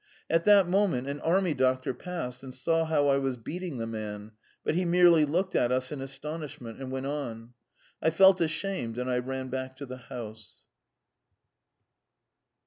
At that moment an army doctor passed, and saw how I was beating the man, but he merely looked at us in astonishment and went on. I felt ashamed and I ran back to the house.